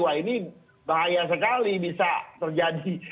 wah ini bahaya sekali bisa terjadi